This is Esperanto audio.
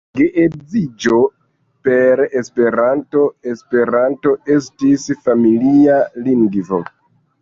Geedziĝo per Esperanto; Esperanto estis familia lingvo.